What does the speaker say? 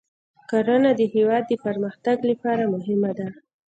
کرنه د هیواد د پرمختګ لپاره مهمه ده.